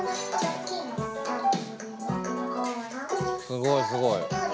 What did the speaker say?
すごいすごい。